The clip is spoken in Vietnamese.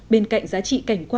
bên cạnh giá trị cảnh quan